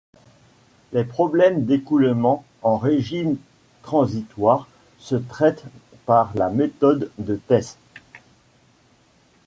Les problèmes d’écoulement en régime transitoire se traite par la méthode de Theis.